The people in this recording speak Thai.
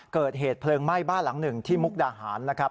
เกิดเหตุเพลิงไหม้บ้านหลังหนึ่งที่มุกดาหารนะครับ